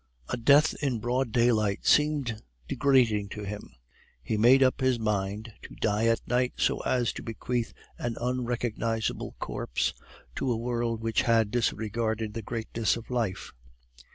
A death in broad daylight seemed degrading to him; he made up his mind to die at night so as to bequeath an unrecognizable corpse to a world which had disregarded the greatness of life.